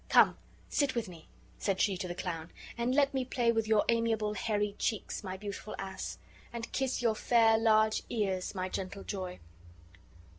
Come, sit with me," said she to the clown., "and let me play with your amiable hairy cheeks, my beautiful ass! and kiss your fair large ears, my gentle joy."